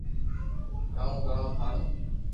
ڪاو ڪرو ٿارو